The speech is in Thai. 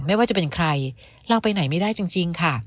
ไม่ว่าจะเป็นใครเราไปไหนไม่ได้จริงค่ะ